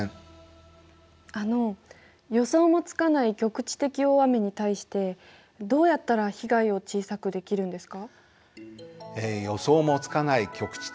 あの予想もつかない局地的大雨に対してどうやったら被害を小さくできるんですか？